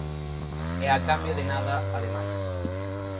E a cambio de nada, ademais.